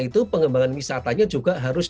itu pengembangan wisatanya juga harus